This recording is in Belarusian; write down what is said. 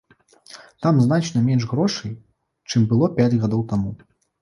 Там значна менш грошай, чым было пяць гадоў таму.